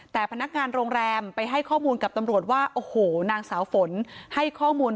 แต่พนักงานโรงแรมไปให้ข้อมูลกับตำรวจว่าโอ้โหนางสาวฝนให้ข้อมูล